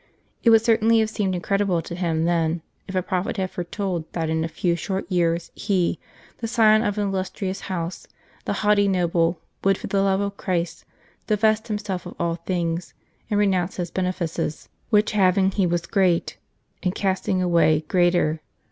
It would certainly have seemed incredible to him then, if a prophet had foretold that in a few short years he, the scion of an illustrious house, the haughty noble, would for the love of Christ divest himself of all things, and renounce his benefices, " which having he was great, and casting away, greater."